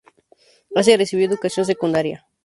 Asia recibió educación secundaria.